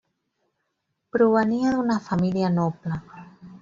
Provenia d'una família noble.